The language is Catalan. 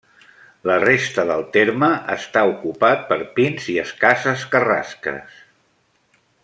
La resta del terme, està ocupat per pins i escasses carrasques.